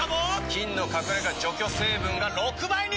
菌の隠れ家除去成分が６倍に！